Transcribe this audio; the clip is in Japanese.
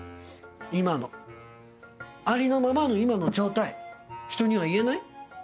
今のありのままの今の状態人には言えない？